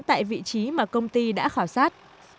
tại vị trí mà công ty đã khảo sát